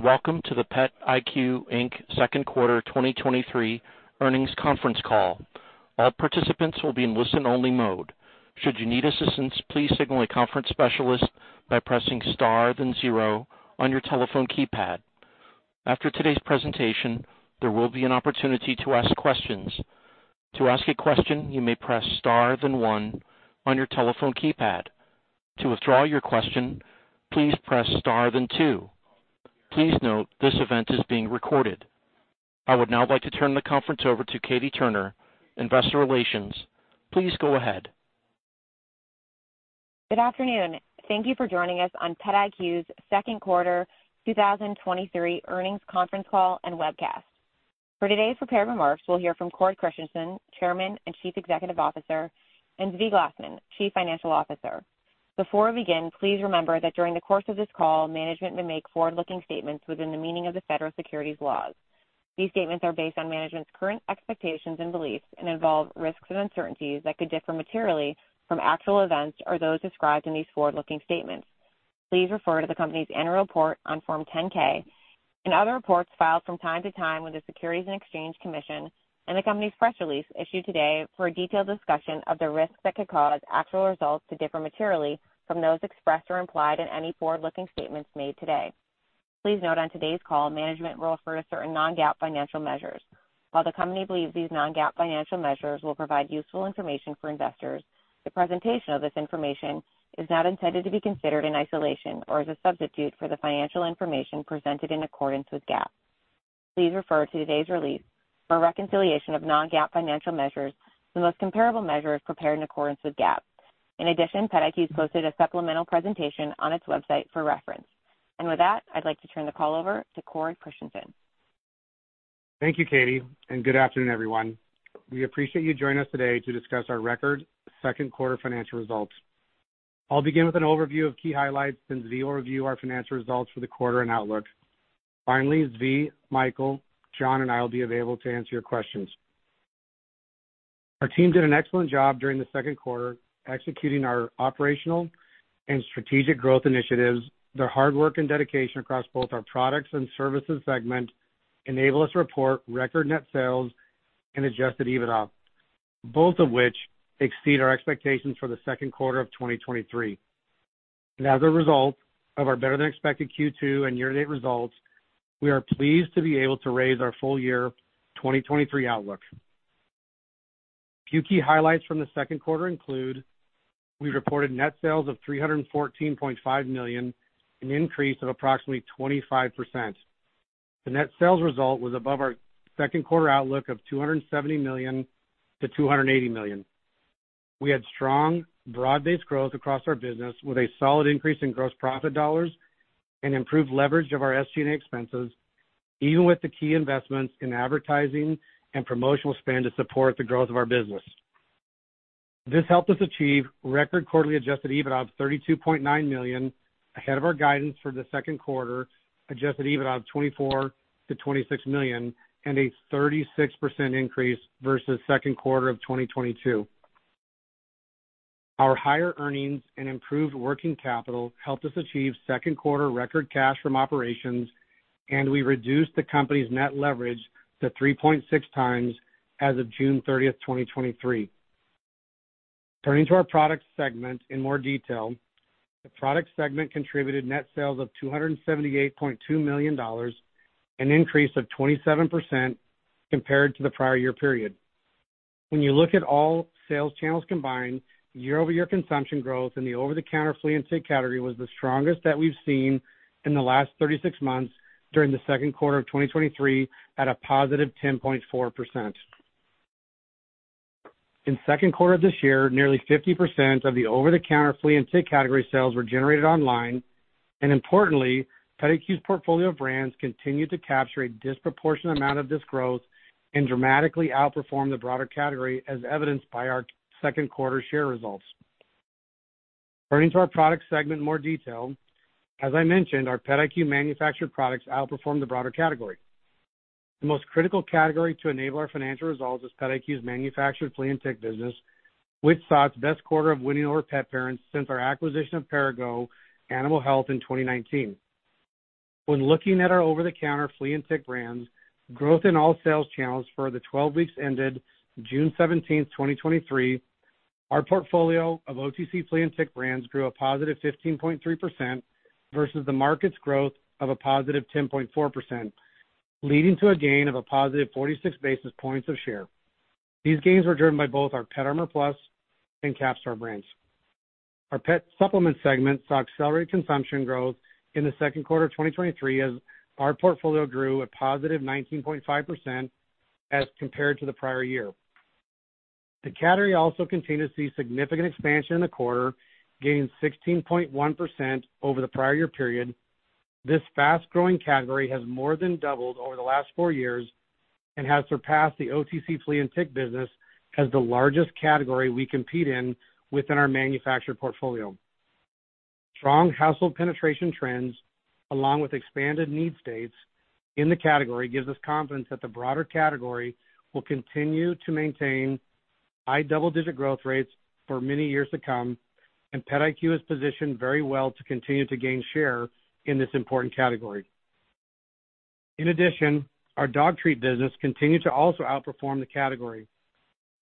Welcome to the PetIQ Inc. Q2 2023 Earnings Conference Call. All participants will be in listen-only mode. Should you need assistance, please signal a conference specialist by pressing Star, then zero on your telephone keypad. After today's presentation, there will be an opportunity to ask questions. To ask a question, you may press Star, then one on your telephone keypad. To withdraw your question, please press Star, then two. Please note, this event is being recorded. I would now like to turn the conference over to Katie Turner, Investor Relations. Please go ahead. Good afternoon. Thank you for joining us on PetIQ's Q2 2023 Earnings Conference Call and Webcast. For today's prepared remarks, we'll hear from Cord Christensen, Chairman and Chief Executive Officer, and Zvi Glasman, Chief Financial Officer. Before we begin, please remember that during the course of this call, management may make forward-looking statements within the meaning of the federal securities laws. These statements are based on management's current expectations and beliefs and involve risks and uncertainties that could differ materially from actual events or those described in these forward-looking statements. Please refer to the company's annual report on Form 10-K and other reports filed from time to time with the Securities and Exchange Commission and the company's press release issued today for a detailed discussion of the risks that could cause actual results to differ materially from those expressed or implied in any forward-looking statements made today. Please note, on today's call, management will refer to certain non-GAAP financial measures. While the company believes these non-GAAP financial measures will provide useful information for investors, the presentation of this information is not intended to be considered in isolation or as a substitute for the financial information presented in accordance with GAAP. Please refer to today's release for a reconciliation of non-GAAP financial measures, the most comparable measures prepared in accordance with GAAP. In addition, PetIQ has posted a supplemental presentation on its website for reference. With that, I'd like to turn the call over to Cord Christensen. Thank you, Katie. Good afternoon, everyone. We appreciate you joining us today to discuss our record Q2 financial results. I'll begin with an overview of key highlights, then Zvi will review our financial results for the quarter and outlook. Finally, Zvi, Michael, John, and I will be available to answer your questions. Our team did an excellent job during the Q2, executing our operational and strategic growth initiatives. Their hard work and dedication across both our products and services segment enable us to report record net sales and adjusted EBITDA, both of which exceed our expectations for the Q2 of 2023. As a result of our better-than-expected Q2 and year-to-date results, we are pleased to be able to raise our full year 2023 outlook. A few key highlights from the Q2 include: we reported net sales of $314.5 million, an increase of approximately 25%. The net sales result was above our Q2 outlook of $270 to 280 million. We had strong, broad-based growth across our business, with a solid increase in gross profit dollars and improved leverage of our SG&A expenses, even with the key investments in advertising and promotional spend to support the growth of our business. This helped us achieve record quarterly adjusted EBITDA of $32.9 million, ahead of our guidance for the Q2, adjusted EBITDA of $24 to 26 million, and a 36% increase versus Q2 of 2022. Our higher earnings and improved working capital helped us achieve Q2 record cash from operations. We reduced the company's net leverage to 3.6x as of 30 June 2023. Turning to our products segment in more detail, the product segment contributed net sales of $278.2 million, an increase of 27% compared to the prior year period. When you look at all sales channels combined, year-over-year consumption growth in the Over-the-Counter flea and tick category was the strongest that we've seen in the last 36 months during the Q2 of 2023, at a positive 10.4%. In Q2 of this year, nearly 50% of the over-the-counter flea and tick category sales were generated online, and importantly, PetIQ's portfolio of brands continued to capture a disproportionate amount of this growth and dramatically outperformed the broader category, as evidenced by our Q2 share results. Turning to our product segment in more detail, as I mentioned, our PetIQ manufactured products outperformed the broader category. The most critical category to enable our financial results is PetIQ's manufactured flea and tick business, which saw its best quarter of winning over pet parents since our acquisition of Perrigo Animal Health in 2019. When looking at our over-the-counter flea and tick brands, growth in all sales channels for the 12 weeks ended 17 June 2023, our portfolio of OTC flea and tick brands grew a positive 15.3% versus the market's growth of a positive 10.4%, leading to a gain of a positive 46 basis points of share. These gains were driven by both our PetArmor Plus and Capstar brands. Our pet supplement segment saw accelerated consumption growth in the Q2 of 2023, as our portfolio grew a positive 19.5% as compared to the prior year. The category also continued to see significant expansion in the quarter, gaining 16.1% over the prior year period. This fast-growing category has more than doubled over the last 4 years and has surpassed the OTC flea and tick business as the largest category we compete in within our manufactured portfolio. Strong household penetration trends, along with expanded need states in the category, gives us confidence that the broader category will continue to maintain high double-digit growth rates for many years to come. PetIQ is positioned very well to continue to gain share in this important category. In addition, our dog treat business continued to also outperform the category.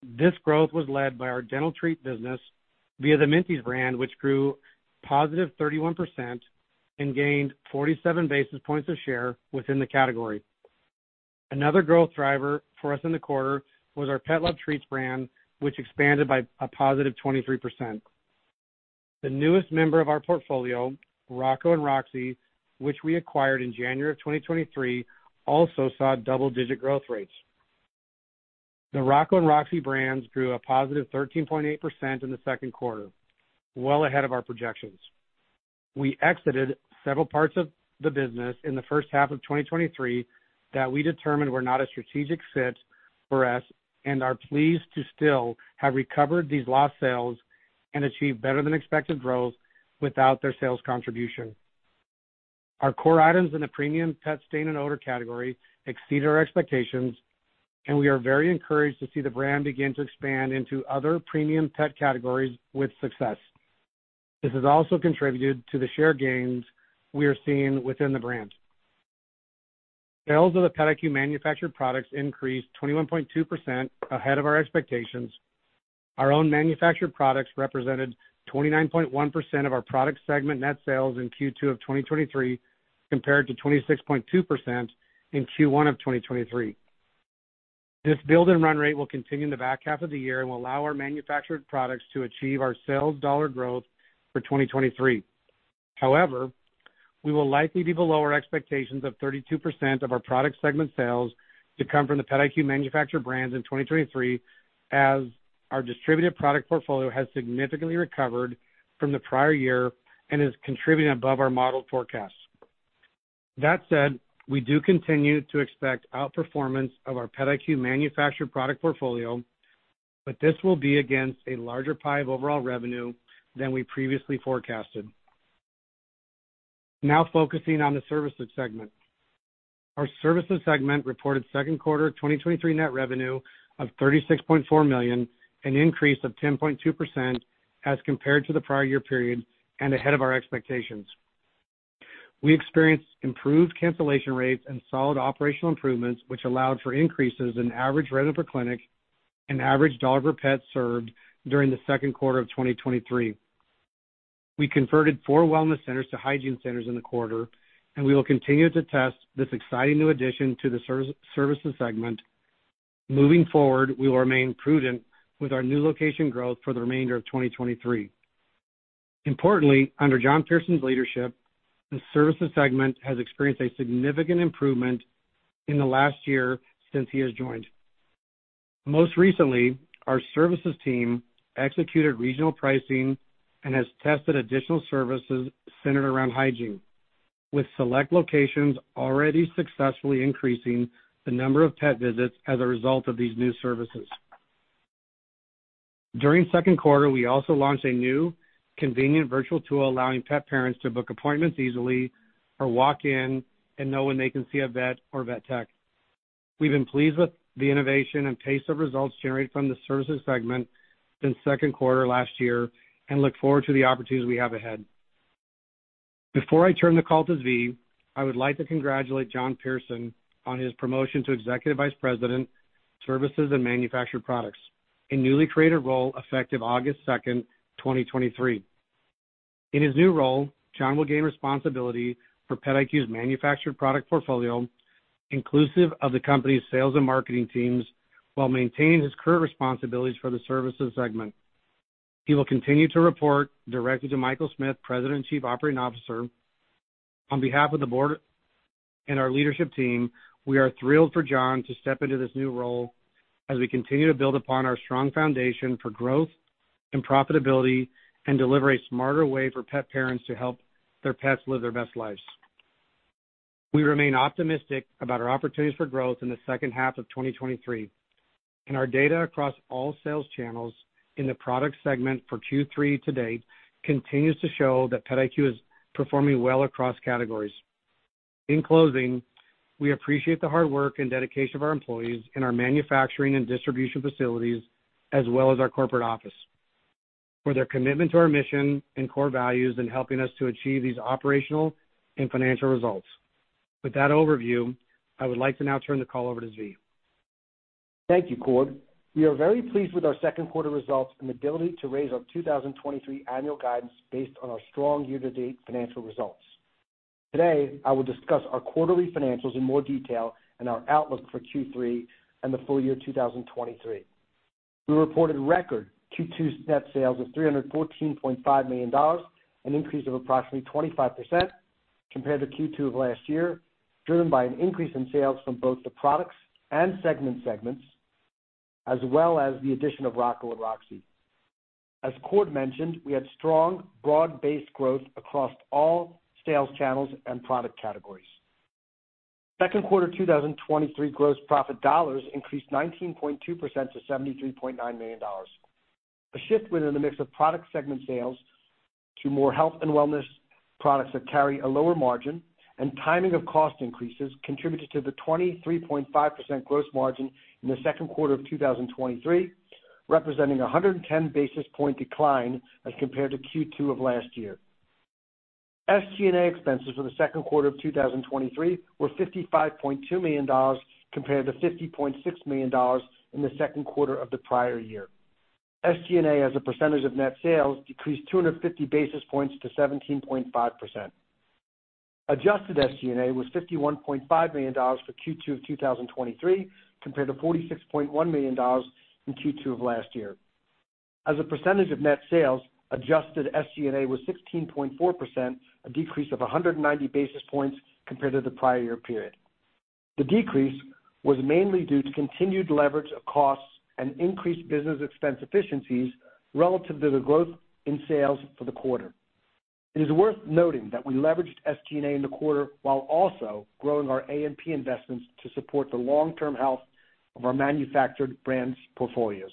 This growth was led by our dental treat business via the Minties brand, which grew positive 31% and gained 47 basis points of share within the category. Another growth driver for us in the quarter was our PetLove treats brand, which expanded by a positive 23%. The newest member of our portfolio, Rocco & Roxie, which we acquired in January of 2023, also saw double-digit growth rates. The Rocco & Roxie brands grew a positive 13.8% in the Q2, well ahead of our projections. We exited several parts of the business in the first half of 2023 that we determined were not a strategic fit for us and are pleased to still have recovered these lost sales and achieve better-than-expected growth without their sales contribution. Our core items in the premium pet stain and odor category exceeded our expectations, and we are very encouraged to see the brand begin to expand into other premium pet categories with success. This has also contributed to the share gains we are seeing within the brand. Sales of the PetIQ manufactured products increased 21.2%, ahead of our expectations. Our own manufactured products represented 29.1% of our product segment net sales in Q2 of 2023, compared to 26.2% in Q1 of 2023. This build and run rate will continue in the back half of the year and will allow our manufactured products to achieve our sales dollar growth for 2023. We will likely be below our expectations of 32% of our product segment sales to come from the PetIQ manufactured brands in 2023, as our distributed product portfolio has significantly recovered from the prior year and is contributing above our model forecast. That said, we do continue to expect outperformance of our PetIQ manufactured product portfolio, but this will be against a larger pie of overall revenue than we previously forecasted. Now focusing on the services segment. Our services segment reported Q2 2023 net revenue of $36.4 million, an increase of 10.2% as compared to the prior year period and ahead of our expectations. We experienced improved cancellation rates and solid operational improvements, which allowed for increases in average rent per clinic and average dog or pet served during the Q2 of 2023. We converted four wellness centers to hygiene centers in the quarter, and we will continue to test this exciting new addition to the service, services segment. Moving forward, we will remain prudent with our new location growth for the remainder of 2023. Importantly, under John Pearson's leadership, the services segment has experienced a significant improvement in the last year since he has joined. Most recently, our services team executed regional pricing and has tested additional services centered around hygiene, with select locations already successfully increasing the number of pet visits as a result of these new services. During Q2, we also launched a new convenient virtual tool allowing pet parents to book appointments easily or walk in and know when they can see a vet or vet tech. We've been pleased with the innovation and pace of results generated from the services segment since Q2 last year and look forward to the opportunities we have ahead. Before I turn the call to Zvi, I would like to congratulate John Pearson on his promotion to Executive Vice President, Services and Manufactured Products, a newly created role effective 2 August 2023. In his new role, John will gain responsibility for PetIQ's manufactured product portfolio, inclusive of the company's sales and marketing teams, while maintaining his current responsibilities for the services segment. He will continue to report directly to Michael Smith, President and Chief Operating Officer. On behalf of the board and our leadership team, we are thrilled for John to step into this new role as we continue to build upon our strong foundation for growth and profitability and deliver a smarter way for pet parents to help their pets live their best lives. We remain optimistic about our opportunities for growth in the second half of 2023. Our data across all sales channels in the product segment for Q3 to date continues to show that PetIQ is performing well across categories. In closing, we appreciate the hard work and dedication of our employees in our manufacturing and distribution facilities, as well as our corporate office, for their commitment to our mission and core values in helping us to achieve these operational and financial results. With that overview, I would like to now turn the call over to Zvi. Thank you, Cord. We are very pleased with our Q2 results and the ability to raise our 2023 annual guidance based on our strong year-to-date financial results. Today, I will discuss our quarterly financials in more detail and our outlook for Q3 and the full year 2023. We reported record Q2 net sales of $314.5 million, an increase of approximately 25% compared to Q2 of last year, driven by an increase in sales from both the products and segment segments, as well as the addition of Rocco & Roxie. As Cord mentioned, we had strong, broad-based growth across all sales channels and product categories. Q2 2023 gross profit dollars increased 19.2% to $73.9 million. A shift within the mix of product segment sales to more health and wellness... products that carry a lower margin and timing of cost increases contributed to the 23.5% gross margin in the Q2 of 2023, representing a 110 basis point decline as compared to Q2 of last year. SG&A expenses for the Q2 of 2023 were $55.2 million, compared to $50.6 million in the Q2 of the prior year. SG&A, as a percentage of net sales, decreased 250 basis points to 17.5%. Adjusted SG&A was $51.5 million for Q2 of 2023, compared to $46.1 million in Q2 of last year. As a percentage of net sales, adjusted SG&A was 16.4%, a decrease of 190 basis points compared to the prior year period. The decrease was mainly due to continued leverage of costs and increased business expense efficiencies relative to the growth in sales for the quarter. It is worth noting that we leveraged SG&A in the quarter, while also growing our A&P investments to support the long-term health of our manufactured brands portfolios.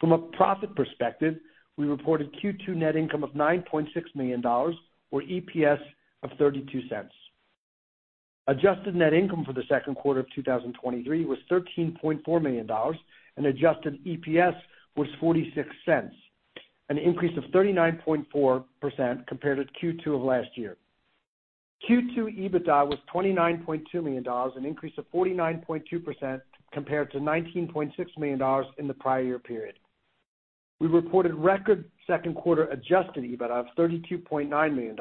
From a profit perspective, we reported Q2 net income of $9.6 million, or EPS of $0.32. Adjusted net income for the Q2 of 2023 was $13.4 million, and adjusted EPS was $0.46, an increase of 39.4% compared to Q2 of last year. Q2 EBITDA was $29.2 million, an increase of 49.2% compared to $19.6 million in the prior year period. We reported record Q2 adjusted EBITDA of $32.9 million,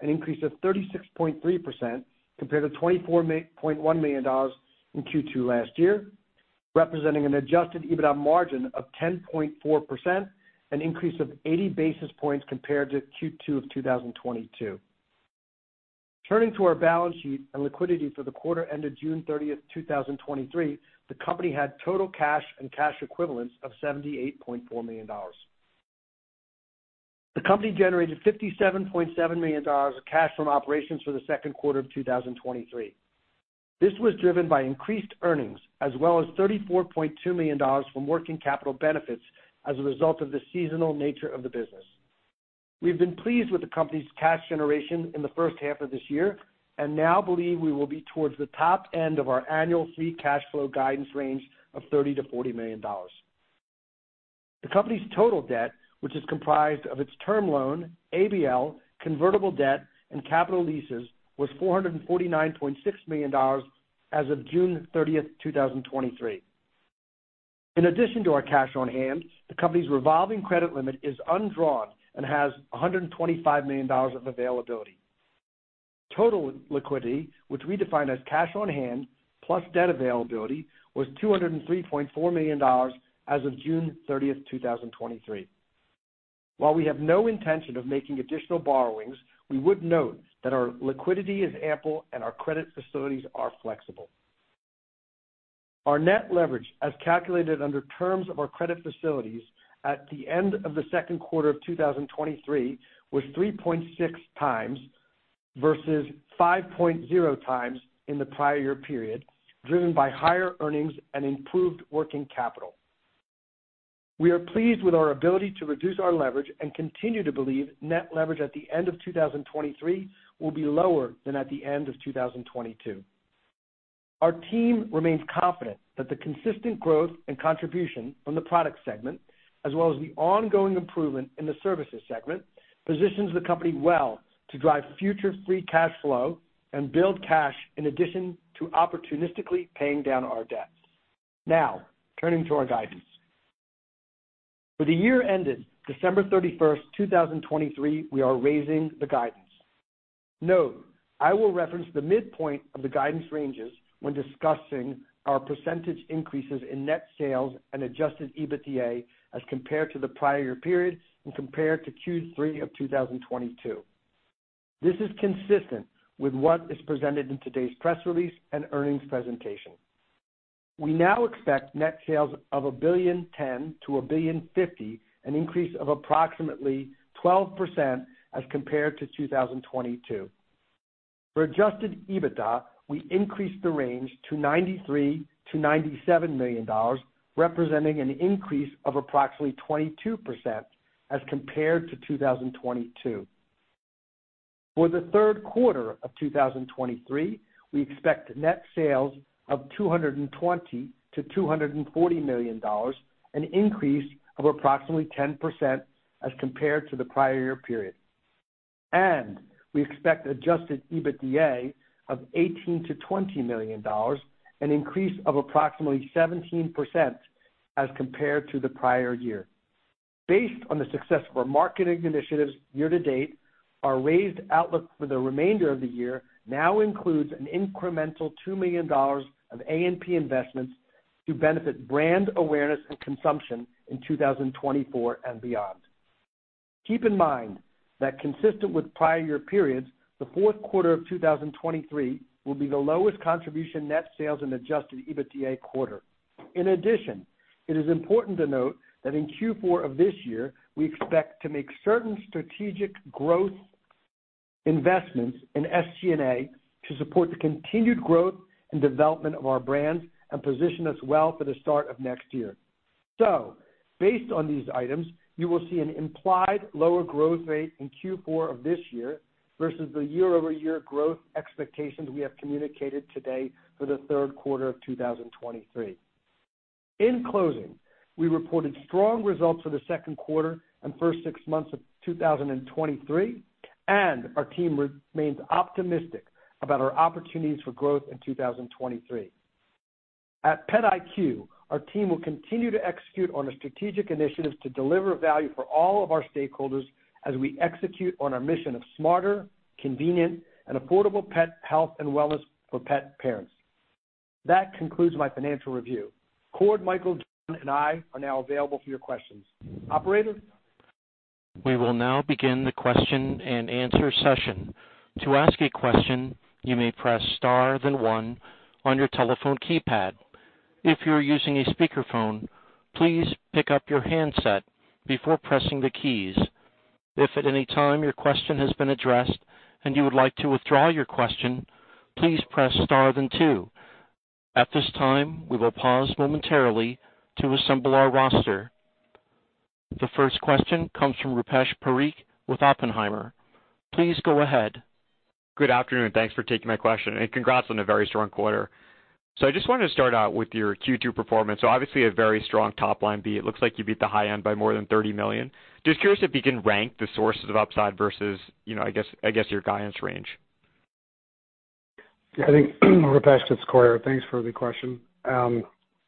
an increase of 36.3% compared to $24.1 million in Q2 last year, representing an adjusted EBITDA margin of 10.4%, an increase of 80 basis points compared to Q2 of 2022. Turning to our balance sheet and liquidity for the quarter ended 30 June 2023, the company had total cash and cash equivalents of $78.4 million. The company generated $57.7 million of cash from operations for the Q2 of 2023. This was driven by increased earnings, as well as $34.2 million from working capital benefits as a result of the seasonal nature of the business. We've been pleased with the company's cash generation in the first half of this year, and now believe we will be towards the top end of our annual free cash flow guidance range of $30 to 40 million. The company's total debt, which is comprised of its term loan, ABL, convertible debt, and capital leases, was $449.6 million as of 30 June 2023. In addition to our cash on hand, the company's revolving credit limit is undrawn and has $125 million of availability. Total liquidity, which we define as cash on hand plus debt availability, was $203.4 million as of 30 June 2023. While we have no intention of making additional borrowings, we would note that our liquidity is ample and our credit facilities are flexible. Our net leverage, as calculated under terms of our credit facilities at the end of the Q2 of 2023, was 3.6x versus 5.0x in the prior year period, driven by higher earnings and improved working capital. We are pleased with our ability to reduce our leverage and continue to believe net leverage at the end of 2023 will be lower than at the end of 2022. Our team remains confident that the consistent growth and contribution from the product segment, as well as the ongoing improvement in the services segment, positions the company well to drive future free cash flow and build cash in addition to opportunistically paying down our debts. Now, turning to our guidance. For the year ended 31 December 2023, we are raising the guidance. Note, I will reference the midpoint of the guidance ranges when discussing our percentage increases in net sales and adjusted EBITDA as compared to the prior year period and compared to Q3 of 2022. This is consistent with what is presented in today's press release and earnings presentation. We now expect net sales of $1.01 to 1.05 billion, an increase of approximately 12% as compared to 2022. For adjusted EBITDA, we increased the range to $93 to 97 million, representing an increase of approximately 22% as compared to 2022. For the Q3 of 2023, we expect net sales of $220 to 240 million, an increase of approximately 10% as compared to the prior year period. We expect adjusted EBITDA of $18 to 20 million, an increase of approximately 17% as compared to the prior year. Based on the success of our marketing initiatives year to date, our raised outlook for the remainder of the year now includes an incremental $2 million of A&P investments to benefit brand awareness and consumption in 2024 and beyond. Keep in mind that consistent with prior year periods, the Q4 of 2023 will be the lowest contribution net sales and adjusted EBITDA quarter. In addition, it is important to note that in Q4 of this year, we expect to make certain strategic investments in SG&A to support the continued growth and development of our brands and position us well for the start of next year. Based on these items, you will see an implied lower growth rate in Q4 of this year versus the year-over-year growth expectations we have communicated today for the Q3 of 2023. In closing, we reported strong results for the Q2 and first six months of 2023, and our team remains optimistic about our opportunities for growth in 2023. At PetIQ, our team will continue to execute on our strategic initiatives to deliver value for all of our stakeholders as we execute on our mission of smarter, convenient, and affordable pet health and wellness for pet parents. That concludes my financial review. Cord, Michael, John, and I are now available for your questions. Operator? We will now begin the question-and-answer session. To ask a question, you may press star, then one on your telephone keypad. If you are using a speakerphone, please pick up your handset before pressing the keys. If at any time your question has been addressed and you would like to withdraw your question, please press star then two. At this time, we will pause momentarily to assemble our roster. The first question comes from Rupesh Parikh with Oppenheimer. Please go ahead. Good afternoon. Thanks for taking my question. Congrats on a very strong quarter. I just wanted to start out with your Q2 performance. Obviously a very strong top-line beat. It looks like you beat the high end by more than $30 million. Just curious if you can rank the sources of upside versus, you know, I guess, I guess, your guidance range. I think, Rupesh, it's Cord. Thanks for the question. Probably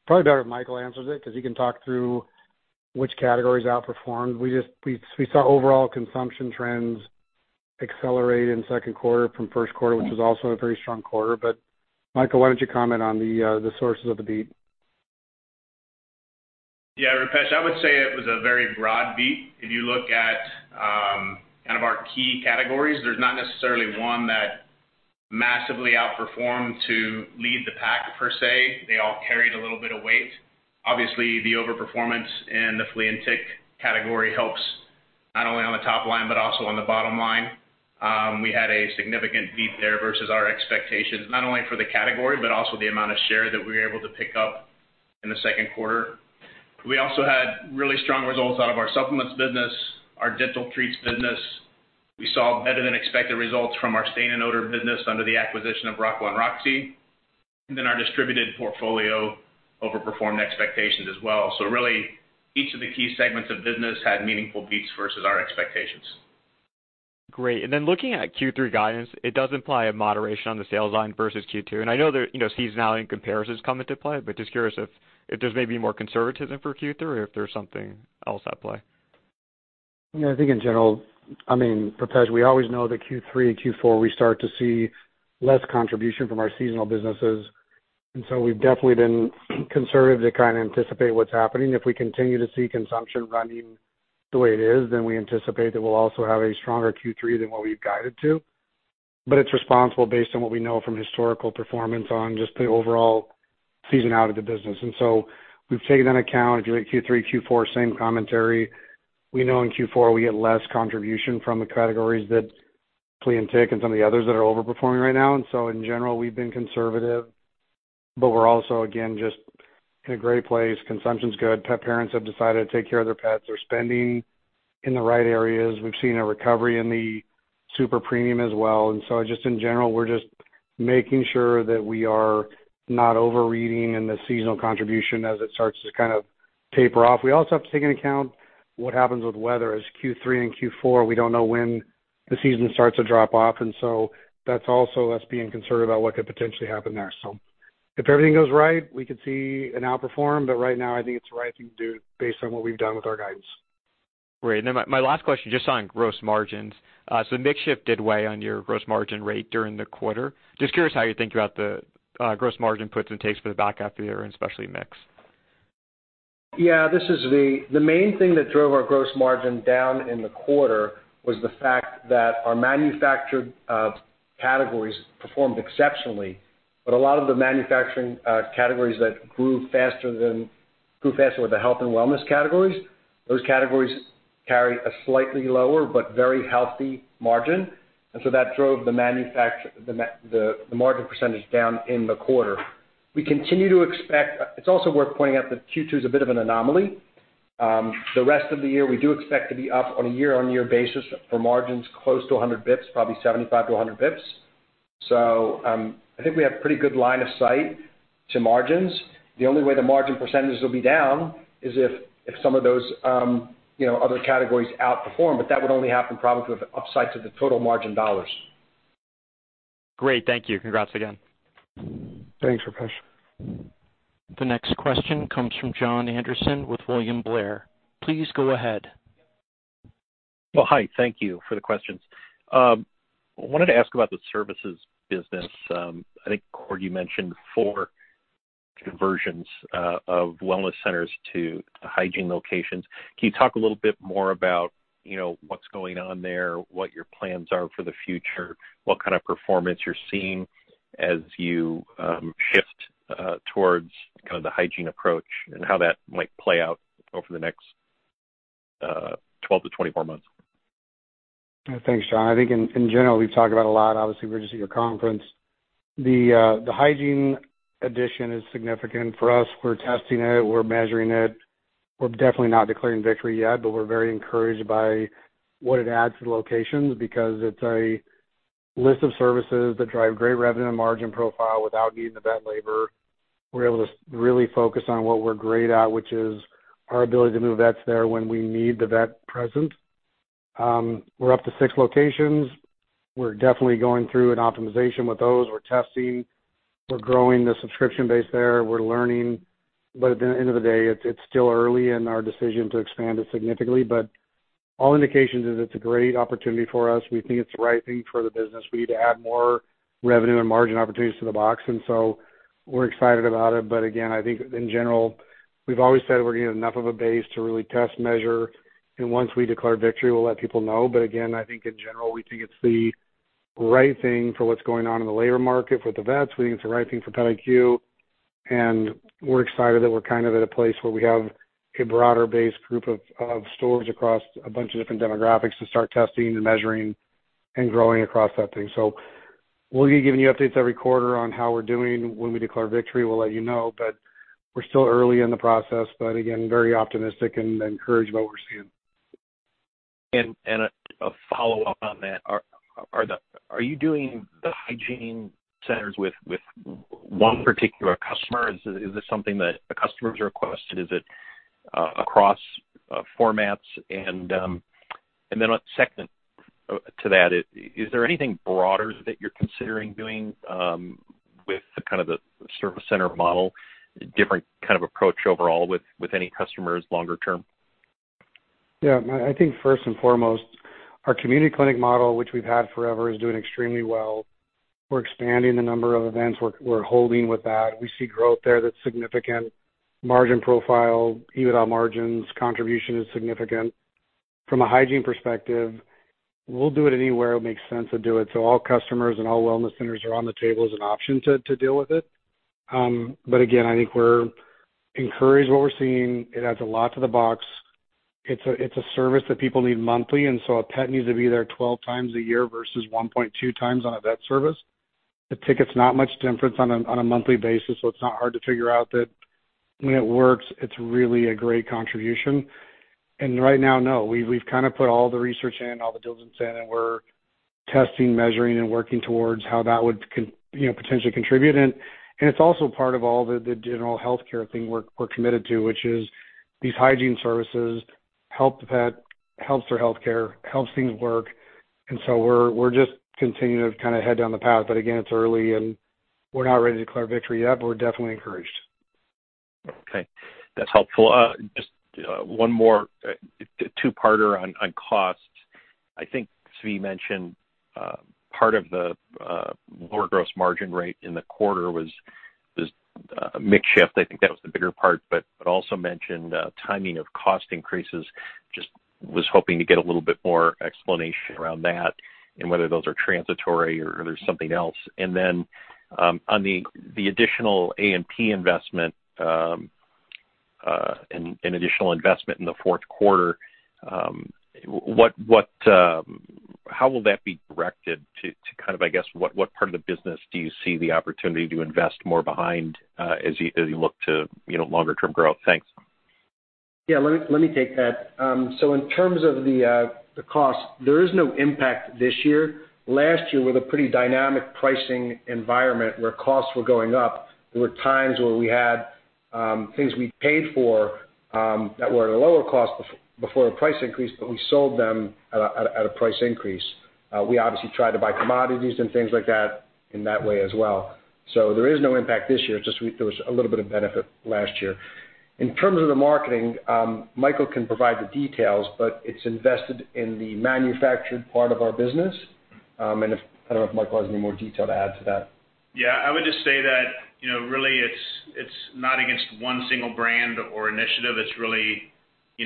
better if Michael answers it, 'cause he can talk through which categories outperformed. We saw overall consumption trends accelerate in Q2 from Q1, which is also a very strong quarter. Michael, why don't you comment on the sources of the beat? Yeah, Rupesh, I would say it was a very broad beat. If you look at, kind of our key categories, there's not necessarily one that massively outperformed to lead the pack, per se. They all carried a little bit of weight. Obviously, the overperformance in the flea and tick category helps not only on the top line, but also on the bottom line. We had a significant beat there versus our expectations, not only for the category, but also the amount of share that we were able to pick up in the Q2. We also had really strong results out of our supplements business, our dental treats business. We saw better than expected results from our stain and odor business under the acquisition of Rocco & Roxie. Then our distributed portfolio overperformed expectations as well. Really, each of the key segments of business had meaningful beats versus our expectations. Great. Then looking at Q3 guidance, it does imply a moderation on the sales line versus Q2. I know there, you know, seasonality and comparisons come into play, but just curious if, if there's maybe more conservatism for Q3 or if there's something else at play. Yeah, I think in general, I mean, Rupesh, we always know that Q3 and Q4, we start to see less contribution from our seasonal businesses. So we've definitely been conservative to kind of anticipate what's happening. If we continue to see consumption running the way it is, then we anticipate that we'll also have a stronger Q3 than what we've guided to. It's responsible based on what we know from historical performance on just the overall season out of the business. So we've taken into account Q3, Q4, same commentary. We know in Q4, we get less contribution from the categories that flea and tick and some of the others that are overperforming right now. So in general, we've been conservative, but we're also, again, just in a great place. Consumption's good. Pet parents have decided to take care of their pets. They're spending in the right areas. We've seen a recovery in the super premium as well. Just in general, we're just making sure that we are not overreading in the seasonal contribution as it starts to kind of taper off. We also have to take into account what happens with weather. Q3 and Q4, we don't know when the season starts to drop off, and so that's also us being concerned about what could potentially happen there. If everything goes right, we could see an outperform, but right now I think it's the right thing to do based on what we've done with our guidance. Great. My, my last question, just on gross margins. Mix shift did weigh on your gross margin rate during the quarter. Just curious how you think about the gross margin puts and takes for the back half of the year, and especially mix. Yeah, this is the... The main thing that drove our gross margin down in the quarter was the fact that our manufactured categories performed exceptionally, but a lot of the manufacturing categories that grew faster than, grew faster were the health and wellness categories. Those categories carry a slightly lower but very healthy margin, and so that drove the margin percentage down in the quarter. We continue to expect-- It's also worth pointing out that Q2 is a bit of an anomaly. The rest of the year, we do expect to be up on a year-on-year basis for margins close to 100 bps, probably 75 to 100 bps. I think we have pretty good line of sight to margins. The only way the margin percentages will be down is if, if some of those, you know, other categories outperform, but that would only happen probably with upsides of the total margin dollars. Great. Thank you. Congrats again. Thanks, Rupesh. The next question comes from John Anderson with William Blair. Please go ahead. Well, hi, thank you for the questions. I wanted to ask about the services business. I think, Cord, you mentioned 4 conversions of wellness centers to Hygiene Centers. Can you talk a little bit more about, you know, what's going on there, what your plans are for the future, what kind of performance you're seeing as you shift towards kind of the hygiene approach, and how that might play out over the next?... 12-24 months. Thanks, John. I think in, in general, we've talked about a lot. Obviously, we're just at your conference. The, the hygiene addition is significant for us. We're testing it, we're measuring it. We're definitely not declaring victory yet, but we're very encouraged by what it adds to the locations, because it's a list of services that drive great revenue and margin profile without needing the vet labor. We're able to really focus on what we're great at, which is our ability to move vets there when we need the vet present. We're up to 6 locations. We're definitely going through an optimization with those. We're testing, we're growing the subscription base there. We're learning, at the end of the day, it's, it's still early in our decision to expand it significantly. All indications is it's a great opportunity for us. We think it's the right thing for the business. We need to add more revenue and margin opportunities to the box. We're excited about it. Again, I think in general, we've always said we're getting enough of a base to really test, measure, and once we declare victory, we'll let people know. Again, I think in general, we think it's the right thing for what's going on in the labor market with the vets. We think it's the right thing for PetIQ, and we're excited that we're kind of at a place where we have a broader base group of stores across a bunch of different demographics to start testing and measuring and growing across that thing. We'll be giving you updates every quarter on how we're doing. When we declare victory, we'll let you know, but we're still early in the process. Again, very optimistic and encouraged by what we're seeing. And a, a follow-up on that. Are you doing the Hygiene Centers with one particular customer? Is this something that a customer's requested? Is it across formats? And then second to that, is there anything broader that you're considering doing with the kind of the service center model, different kind of approach overall with any customers longer term? Yeah, I think first and foremost, our community clinic model, which we've had forever, is doing extremely well. We're expanding the number of events we're holding with that. We see growth there that's significant. Margin profile, EBITDA margins, contribution is significant. From a hygiene perspective, we'll do it anywhere it makes sense to do it, all customers and all wellness centers are on the table as an option to deal with it. Again, I think we're encouraged what we're seeing. It adds a lot to the box. It's a service that people need monthly, a pet needs to be there 12x a year versus 1.2x on a vet service. The ticket's not much difference on a monthly basis, it's not hard to figure out that when it works, it's really a great contribution. Right now, no, we've, we've kind of put all the research in, all the diligence in, and we're testing, measuring, and working towards how that would you know, potentially contribute. It's also part of all the, the general healthcare thing we're, we're committed to, which is these hygiene services help the pet, helps their healthcare, helps things work, and so we're, we're just continuing to kind of head down the path. Again, it's early, and we're not ready to declare victory yet, but we're definitely encouraged. Okay, that's helpful. Just one more two-parter on cost. I think Zvi mentioned part of the lower gross margin rate in the quarter was was mix shift. I think that was the bigger part, but also mentioned timing of cost increases. Just was hoping to get a little bit more explanation around that and whether those are transitory or there's something else. Then, on the additional A&P investment and additional investment in the Q4, how will that be directed to, to kind of, I guess, what, what part of the business do you see the opportunity to invest more behind, as you, as you look to, you know, longer-term growth? Thanks. Yeah, let me, let me take that. So in terms of the cost, there is no impact this year. Last year, with a pretty dynamic pricing environment where costs were going up, there were times where we had things we paid for that were at a lower cost before a price increase, but we sold them at a, at a, at a price increase. We obviously tried to buy commodities and things like that in that way as well. There is no impact this year, just we-- there was a little bit of benefit last year. In terms of the marketing, Michael can provide the details, but it's invested in the manufactured part of our business. And if, I don't know if Michael has any more detail to add to that. Yeah, I would just say that, you know, really it's, it's not against one single brand or initiative. It's really, you know,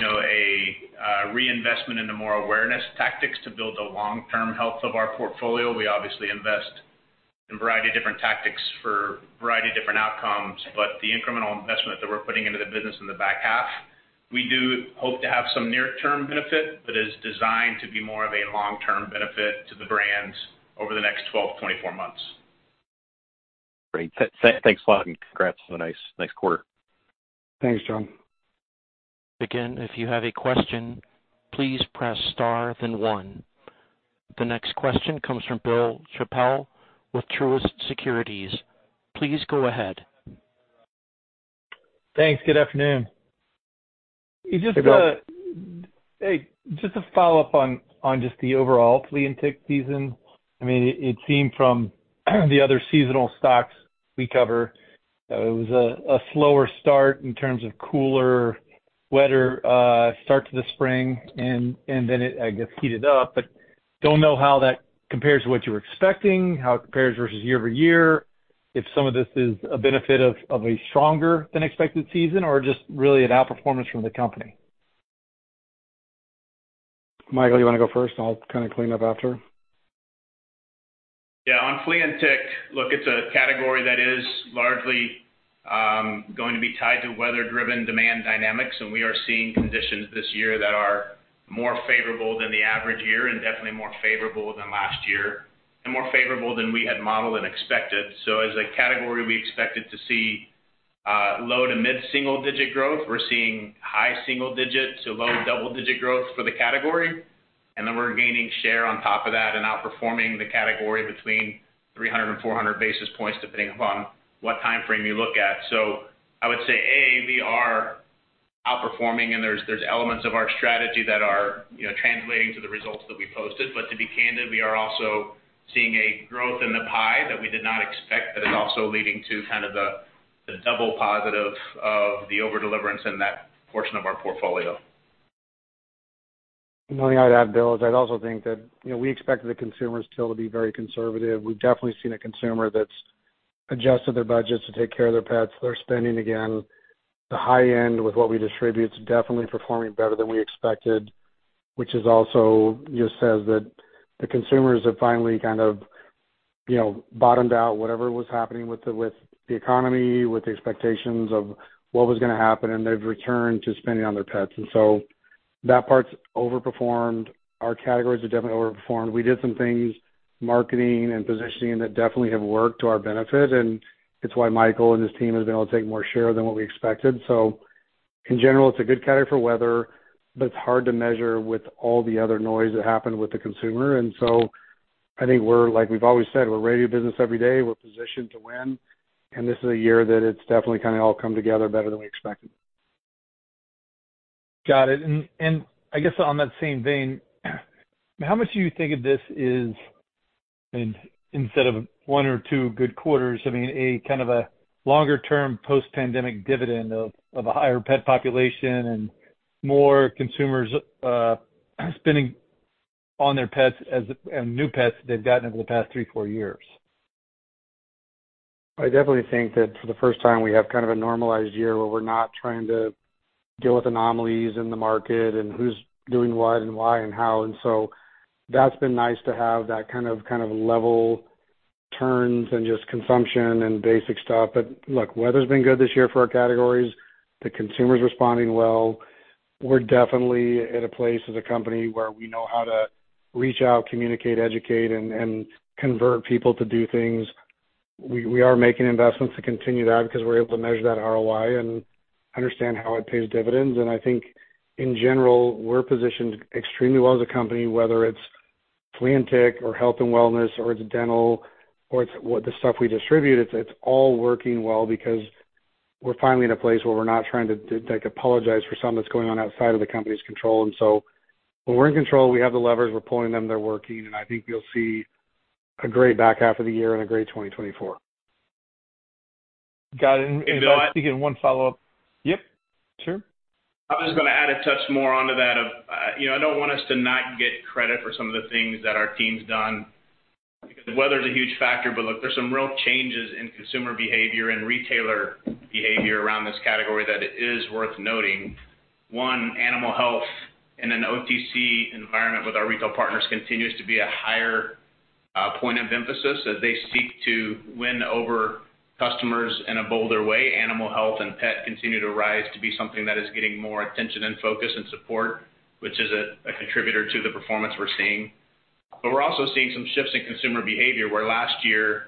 a reinvestment into more awareness tactics to build the long-term health of our portfolio. We obviously invest in a variety of different tactics for a variety of different outcomes, but the incremental investment that we're putting into the business in the back half, we do hope to have some near-term benefit, but is designed to be more of a long-term benefit to the brands over the next 12-24 months. Great. Thanks a lot and congrats on a nice, nice quarter. Thanks, John. Again, if you have a question, please press Star, then One. The next question comes from Bill Chappell with Truist Securities. Please go ahead. Thanks. Good afternoon. Hey, Bill. Just, hey, just to follow up on, on just the overall flea and tick season. I mean, it, it seemed from the other seasonal stocks we cover, it was a, a slower start in terms of cooler, wetter, start to the spring, and, and then it, I guess, heated up. Don't know how that compares to what you were expecting, how it compares versus year-over-year, if some of this is a benefit of, of a stronger than expected season or just really an outperformance from the company? Michael, you want to go first? I'll kind of clean up after. Yeah, on flea and tick, look, it's a category that is largely, going to be tied to weather-driven demand dynamics. We are seeing conditions this year that are more favorable than the average year and definitely more favorable than last year and more favorable than we had modeled and expected. As a category, we expected to see, low to mid-single digit growth. We're seeing high single digit to low double-digit growth for the category. Then we're gaining share on top of that and outperforming the category between 300 and 400 basis points, depending upon what time frame you look at. I would say, A, we are outperforming, and there's, there's elements of our strategy that are, you know, translating to the results that we posted. To be candid, we are also seeing a growth in the pie that we did not expect, that is also leading to kind of the double positive of the over-deliverance in that portion of our portfolio. The only I'd add, Bill, is I'd also think that, you know, we expect the consumer still to be very conservative. We've definitely seen a consumer that's adjusted their budgets to take care of their pets. They're spending again, the high end with what we distribute, is definitely performing better than we expected, which is also just says that the consumers have finally kind of, you know, bottomed out whatever was happening with the, with the economy, with the expectations of what was going to happen, and they've returned to spending on their pets. That part's overperformed. Our categories have definitely overperformed. We did some things, marketing and positioning, that definitely have worked to our benefit, and it's why Michael and his team have been able to take more share than what we expected. In general, it's a good category for weather, but it's hard to measure with all the other noise that happened with the consumer. I think we're like, we've always said, we're ready to business every day, we're positioned to win, and this is a year that it's definitely kind of all come together better than we expected. Got it. I guess on that same vein, how much do you think of this is, instead of one or two good quarters, I mean, a kind of a longer-term post-pandemic dividend of, of a higher pet population and more consumers, spending on their pets as, and new pets they've gotten over the past three, four years? I definitely think that for the first time, we have kind of a normalized year where we're not trying to deal with anomalies in the market and who's doing what and why and how. That's been nice to have that kind of, kind of level turns and just consumption and basic stuff. Look, weather's been good this year for our categories. The consumer is responding well. We're definitely at a place as a company where we know how to reach out, communicate, educate, and, and convert people to do things. We, we are making investments to continue that because we're able to measure that ROI and understand how it pays dividends. I think in general, we're positioned extremely well as a company, whether it's flea and tick, or health and wellness, or it's dental, or it's what the stuff we distribute, it's all working well because we're finally in a place where we're not trying to, like, apologize for something that's going on outside of the company's control. When we're in control, we have the levers, we're pulling them, they're working, and I think you'll see a great back half of the year and a great 2024. Got it. I just need one follow-up. Yep, sure. I was just going to add a touch more onto that of, you know, I don't want us to not get credit for some of the things that our team's done. The weather's a huge factor, but look, there's some real changes in consumer behavior and retailer behavior around this category that it is worth noting. One, animal health in an OTC environment with our retail partners continues to be a higher point of emphasis as they seek to win over customers in a bolder way. Animal health and pet continue to rise to be something that is getting more attention and focus and support, which is a, a contributor to the performance we're seeing. We're also seeing some shifts in consumer behavior, where last year,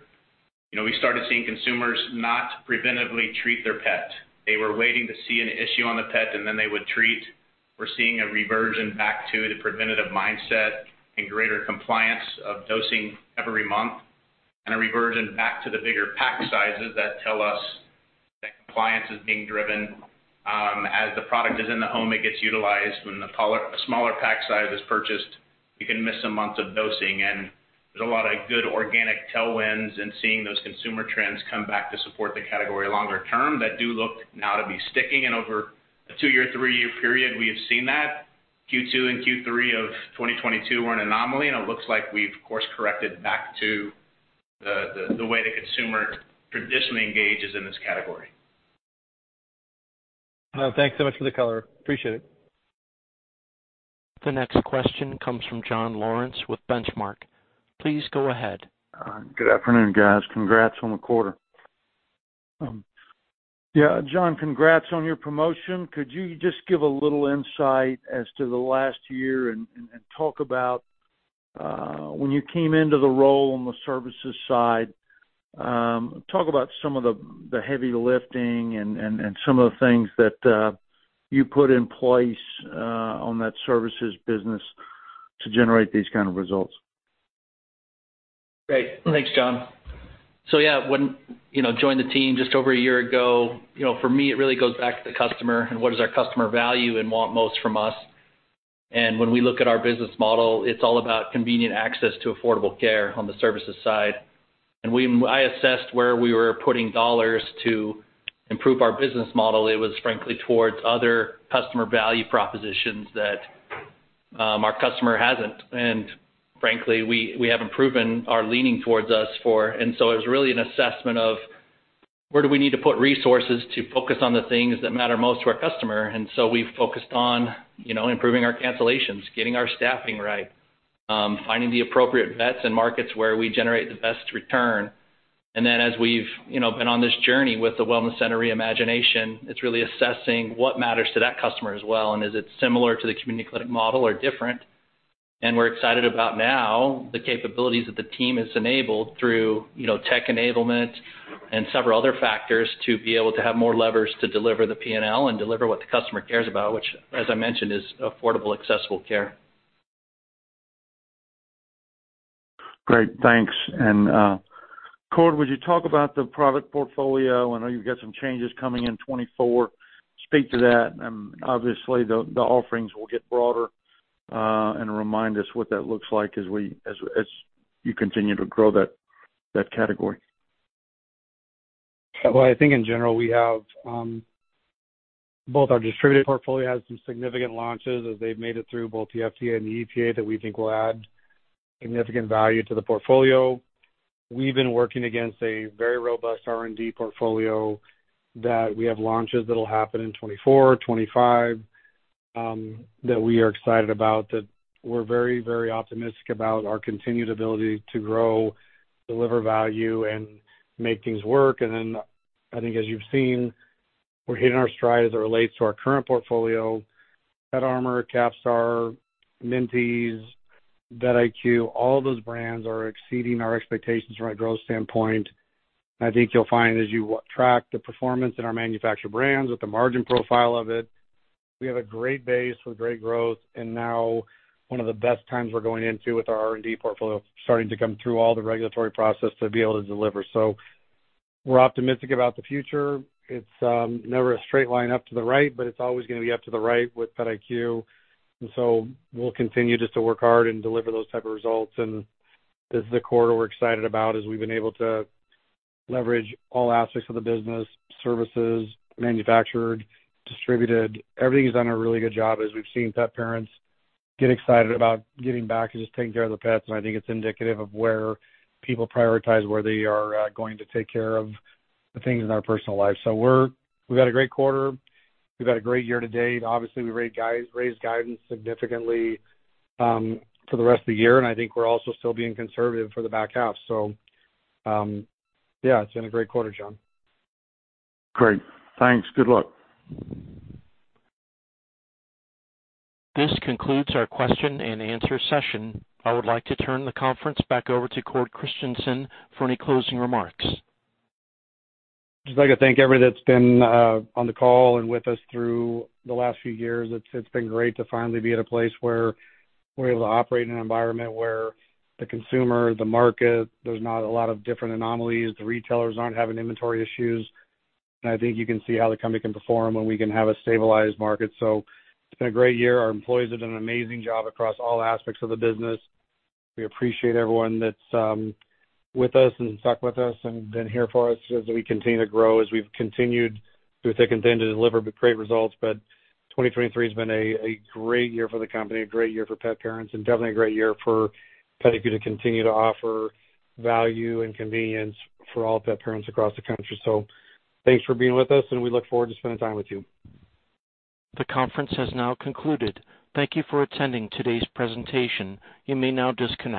you know, we started seeing consumers not preventively treat their pet. They were waiting to see an issue on the pet, then they would treat. We're seeing a reversion back to the preventative mindset and greater compliance of dosing every month, and a reversion back to the bigger pack sizes that tell us that compliance is being driven. As the product is in the home, it gets utilized. When the palle- smaller pack size is purchased, you can miss a month of dosing. There's a lot of good organic tailwinds and seeing those consumer trends come back to support the category longer term, that do look now to be sticking. Over a two-year, three-year period, we have seen that. Q2 and Q3 of 2022 were an anomaly, and it looks like we've course-corrected back to the, the, the way the consumer traditionally engages in this category. Well, thanks so much for the color. Appreciate it. The next question comes from John Lawrence with Benchmark. Please go ahead. Good afternoon, guys. Congrats on the quarter. Yeah, John, congrats on your promotion. Could you just give a little insight as to the last year and, and, and talk about when you came into the role on the services side, talk about some of the, the heavy lifting and, and, and some of the things that you put in place on that services business to generate these kind of results. Great. Thanks, John. Yeah, when, you know, joined the team just over a year ago, you know, for me, it really goes back to the customer and what does our customer value and want most from us. When we look at our business model, it's all about convenient access to affordable care on the services side. I assessed where we were putting dollars to improve our business model. It was frankly, towards other customer value propositions that our customer hasn't and frankly, we, we haven't proven are leaning towards us for. It was really an assessment of. Where do we need to put resources to focus on the things that matter most to our customer? We've focused on, you know, improving our cancellations, getting our staffing right, finding the appropriate vets and markets where we generate the best return. Then as we've, you know, been on this journey with the wellness center re-imagination, it's really assessing what matters to that customer as well, and is it similar to the community clinic model or different? We're excited about now the capabilities that the team has enabled through, you know, tech enablement and several other factors, to be able to have more levers to deliver the PNL and deliver what the customer cares about, which, as I mentioned, is affordable, accessible care. Great, thanks. And, Cord, would you talk about the product portfolio? I know you've got some changes coming in 2024. Speak to that, and obviously, the, the offerings will get broader, and remind us what that looks like as we, as, as you continue to grow that, that category. I think in general, we have both our distributed portfolio has some significant launches as they've made it through both the FDA and the EPA, that we think will add significant value to the portfolio. We've been working against a very robust R&D portfolio that we have launches that'll happen in 2024, 2025, that we are excited about, that we're very, very optimistic about our continued ability to grow, deliver value, and make things work. I think, as you've seen, we're hitting our stride as it relates to our current portfolio. PetArmor, Capstar, Minties, VetIQ, all those brands are exceeding our expectations from a growth standpoint. I think you'll find, as you track the performance in our manufactured brands with the margin profile of it, we have a great base with great growth, and now one of the best times we're going into with our R&D portfolio, starting to come through all the regulatory process to be able to deliver. We're optimistic about the future. It's never a straight line up to the right, but it's always going to be up to the right with VetIQ. We'll continue just to work hard and deliver those type of results. This is a quarter we're excited about, as we've been able to leverage all aspects of the business, services, manufactured, distributed. Everything has done a really good job, as we've seen pet parents get excited about giving back and just taking care of the pets, and I think it's indicative of where people prioritize, where they are going to take care of the things in our personal lives. We've had a great quarter. We've had a great year to date. Obviously, we raised guidance significantly for the rest of the year, and I think we're also still being conservative for the back half. Yeah, it's been a great quarter, John. Great. Thanks. Good luck. This concludes our question and answer session. I would like to turn the conference back over to Cord Christensen for any closing remarks. Just like to thank everyone that's been, on the call and with us through the last few years. It's, it's been great to finally be at a place where we're able to operate in an environment where the consumer, the market, there's not a lot of different anomalies. The retailers aren't having inventory issues, and I think you can see how the company can perform when we can have a stabilized market. It's been a great year. Our employees have done an amazing job across all aspects of the business. We appreciate everyone that's, with us and stuck with us and been here for us as we continue to grow, as we've continued through thick and thin, to deliver great results. 2023 has been a great year for the company, a great year for pet parents, and definitely a great year for PetIQ to continue to offer value and convenience for all pet parents across the country. Thanks for being with us, and we look forward to spending time with you. The conference has now concluded. Thank you for attending today's presentation. You may now disconnect.